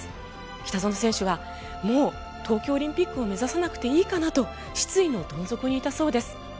北園選手はもう東京オリンピックを目指さなくていいかなと失意のどん底にいたそうです。